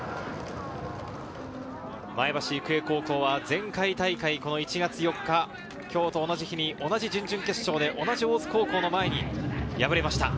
前橋育英高校は前回大会、この１月４日、今日と同じ日に同じ準々決勝で同じ大津高校の前に敗れました。